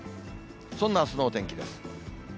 そんなあすのお天気です。